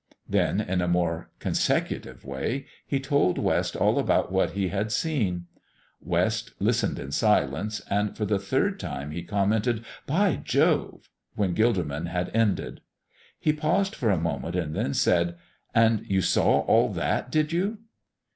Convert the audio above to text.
Then, in a more consecutive way, he told West all about what he had seen. West listened in silence, and for the third time he commented "By Jove!" when Gilderman had ended. He paused for a moment and then said, "And you saw all that, did you?"